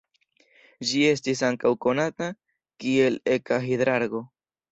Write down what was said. Ĝi estis ankaŭ konata kiel eka-hidrargo.